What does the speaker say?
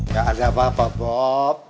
gak ada apa apa bob